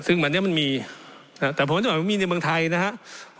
ซึ่งแบบนี้มันมีแต่ผมมันไม่ได้มีในเมืองไทยนะครับ